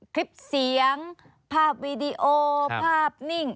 คลิปเสียงภาพวีดีโอภาพนิ่ง